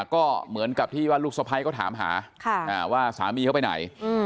ก็เหมือนกับที่ว่าลูกสะพ้ายก็ถามหาว่าสามีเขาไปไหน